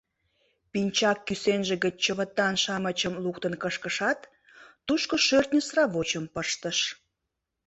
Пинчак кӱсенже гыч чывытан-шамычым луктын кышкышат, тушко шӧртньӧ сравочым пыштыш.